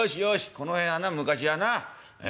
この辺はな昔はなええ？